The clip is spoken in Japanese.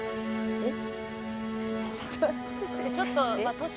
「えっ？」